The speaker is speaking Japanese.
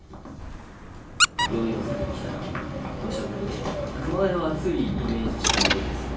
用意をせずに来たら、もうどしゃ降りで、熊谷は暑いイメージしかないです。